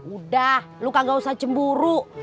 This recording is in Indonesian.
udah lu kagak usah cemburu